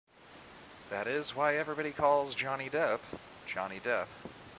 That is why everybody calls Johnny Depp 'Johnny Depp'.